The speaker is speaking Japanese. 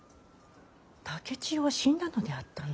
竹千代は死んだのであったの。